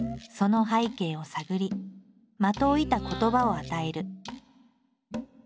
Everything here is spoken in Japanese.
その背景を探り的を射た言葉を与える。